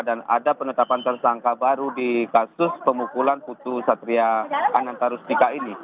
dan ada penetapan tersangka baru di kasus pemukulan iputu satria anantarustika ini